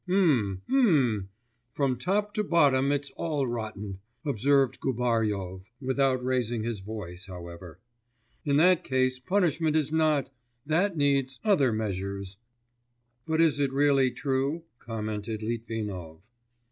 'Mmm.... Mmm.... From top to bottom it's all rotten,' observed Gubaryov, without raising his voice, however. 'In that case punishment is not ... that needs ... other measures.' 'But is it really true?' commented Litvinov.